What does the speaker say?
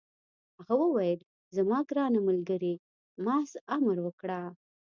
هغه وویل: زما ګرانه ملګرې، محض امر وکړه.